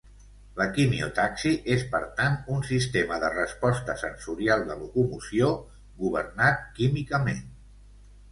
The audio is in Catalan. La quimiotaxi és per tant, un sistema de resposta sensorial de locomoció, governat químicament.